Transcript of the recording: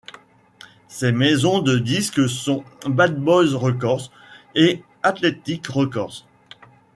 Ses maisons de disques sont Bad Boy Records et Atlantic Records.